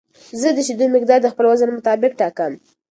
زه د شیدو مقدار د خپل وزن مطابق ټاکم.